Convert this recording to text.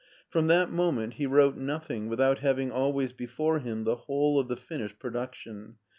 From that moment he wrote nothing without having always before him the whole of the finished production.